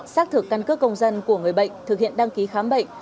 xác thực căn cước công dân của người bệnh thực hiện đăng ký khám bệnh